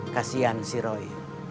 kasian si roy